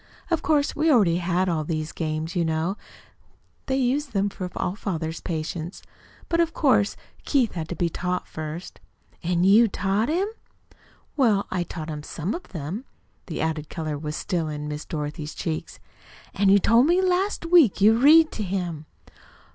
Of course, we already had all these games, you know. They use them for all father's patients. But, of course, Keith had to be taught first." "And you taught him?" "Well, I taught him some of them." The added color was still in Miss Dorothy's cheeks. "An' you told me last week you read to him."